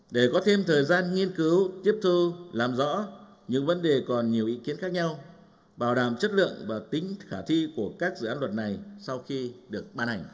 để có thêm thời gian nghiên cứu tiếp thu làm rõ những vấn đề còn nhiều ý kiến khác nhau bảo đảm chất lượng và tính khả thi của các dự án luật này sau khi được ban hành